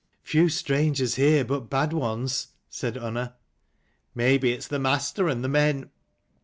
" Few strangers here but bad ones," said Unna. " May be it's the master and the men."